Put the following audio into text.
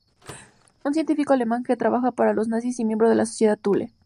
Un científico alemán que trabaja para los nazis y miembro de la Sociedad Thule.